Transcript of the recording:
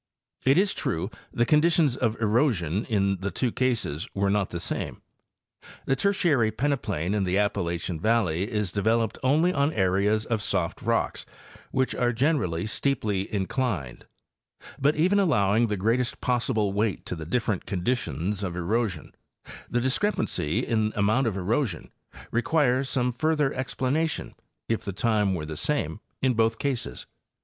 It is true, the conditions of erosion in the two cases were not the same. The Tertiary peneplain in the Appalachia valley is developed only on areas of soft rocks which are generally steeply inclined ; but, even allowing the greatest possible weight to the different conditions of erosion, the discrepancy in amount of erosion requires some further ex planation, if the time were the same in both cases.